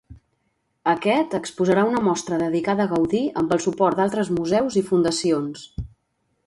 Aquest exposarà una mostra dedicada a Gaudí amb el suport d'altres museus i fundacions.